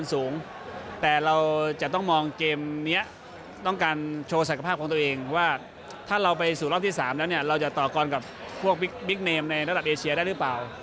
แล้วหากเราต่อก่อนกับพวกบิ๊กเนมในระดับเอเชียได้หรือเปล่า